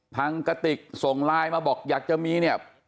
กระติกส่งไลน์มาบอกอยากจะมีเนี่ย